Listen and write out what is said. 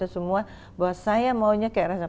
semua bahwa saya maunya ke rstm